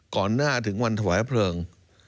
ก่อนหน้าถึงวันถวายเพลิง